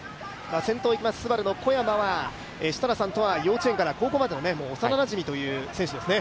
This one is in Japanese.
先頭、今、ＳＵＢＡＲＵの小山は設楽さんとは幼稚園から高校までの幼なじみという選手ですね。